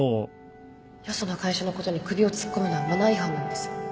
よその会社のことに首を突っ込むのはマナー違反なんです